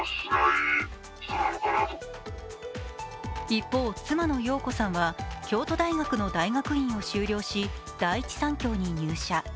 一方、妻の容子さんは京都大学の大学院を修了し、第一三共に入社。